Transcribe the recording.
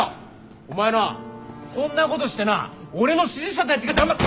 お前なこんなことしてな俺の支持者たちがだまっ。